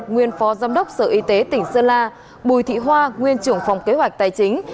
nguyên phó giám đốc sở y tế tỉnh sơn la bùi thị hoa nguyên trưởng phòng kế hoạch tài chính